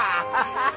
ハハハハ。